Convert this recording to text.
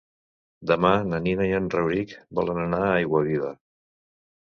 Demà na Nina i en Rauric volen anar a Aiguaviva.